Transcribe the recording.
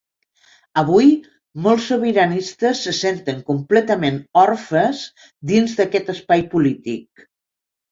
Avui, molts sobiranistes se senten completament orfes dins d’aquest espai polític.